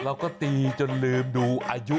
แล้วก็ตีจนลืมดูอายุ